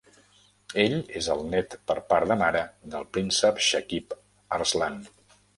Ell és el net per part de mare del Príncep Shakib Arslan.